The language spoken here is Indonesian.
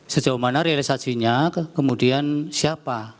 sejauh mana realisasinya kemudian siapa